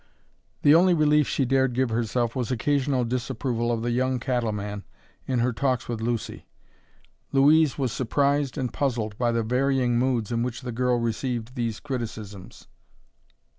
The only relief she dared give herself was occasional disapproval of the young cattleman in her talks with Lucy. Louise was surprised and puzzled by the varying moods in which the girl received these criticisms.